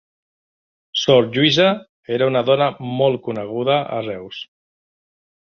Sor Lluïsa era una dona molt coneguda a Reus.